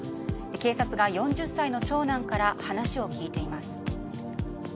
警察が４０歳の長男から話を聞いています。